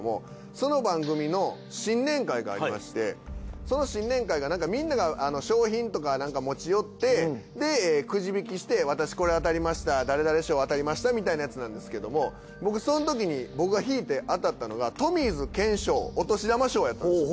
その番組の新年会がありましてその新年会がみんなが賞品とか持ち寄ってくじ引きして私これ当たりました誰々賞当たりましたみたいなやつなんですけども僕そのときに僕が引いて当たったのがトミーズ健賞お年玉賞やったんです。